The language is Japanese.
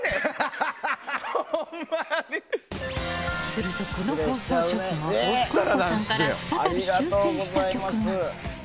すると、この放送直後Ｃｏｃｃｏさんから再び修正した曲が。